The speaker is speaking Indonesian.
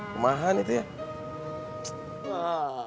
rumahan itu ya